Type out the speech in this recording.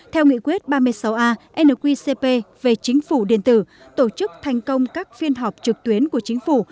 theo nghị quyết ba mươi sáu a nqcp về chính phủ điện tử tổ chức thành công các phiên họp trực tuyến của chính phủ